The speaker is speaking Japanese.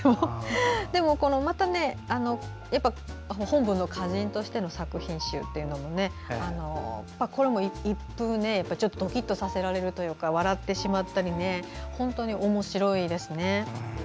でも、また本分の歌人としての作品集というのもこれも一風ドキッとさせられるというか笑ってしまったり本当におもしろいですね。